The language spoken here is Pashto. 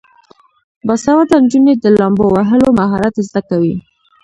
باسواده نجونې د لامبو وهلو مهارت زده کوي.